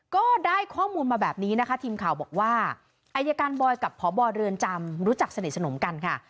ก็ได้ข้อมูลมาแบบนี้นะคะทีมข่าวบอกว่าอายการบอยกับพบเรือนจำรู้จักสนิทสนมกันค่ะ